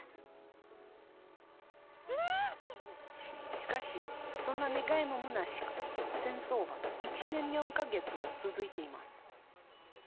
しかし、そんな願いもむなしく戦争は１年４か月も続いています。